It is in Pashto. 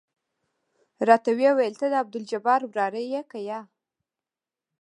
راته ويې ويل ته د عبدالجبار وراره يې که يه.